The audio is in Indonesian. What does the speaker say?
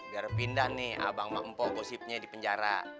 biar pindah nih abang emak empok gosipnya di penjara